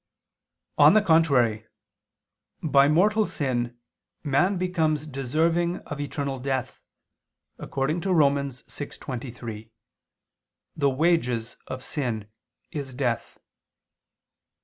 On the contrary, By mortal sin man becomes deserving of eternal death, according to Rom. 6:23: "The wages of sin is death."